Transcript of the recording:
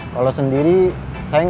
kalau sendiri saya gak berani bos